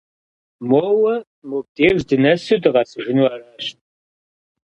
Моуэ мобдеж дынэсу дыкъэсыжыну аращ.